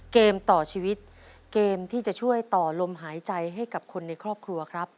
เกมต่อชีวิตเกมที่จะช่วยต่อลมหายใจให้กับคนในครอบครัวครับ